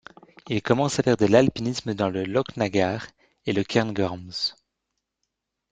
Il commence à faire de l'alpinisme dans le Lochnagar et le Cairngorms.